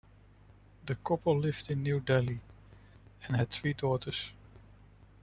The couple lived in New Delhi, and had three daughters.